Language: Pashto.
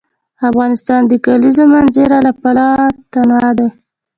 افغانستان د د کلیزو منظره له پلوه متنوع دی.